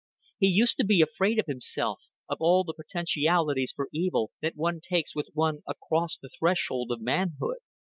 He used to be afraid of himself, of all the potentialities for evil that one takes with one across the threshold of manhood.